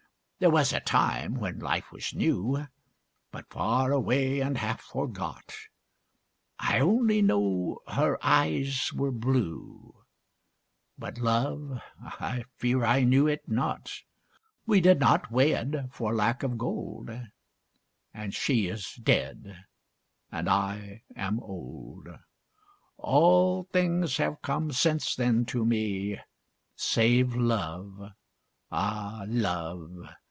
There was a time, when life was new But far away, and half forgot I only know her eyes were blue; But Love I fear I knew it not. We did not wed, for lack of gold, And she is dead, and I am old. All things have come since then to me, Save Love, ah Love!